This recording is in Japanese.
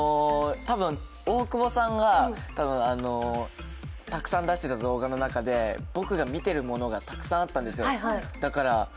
大久保さんが多分たくさん出していた動画の中で僕が見ているものがたくさんあったんですよ。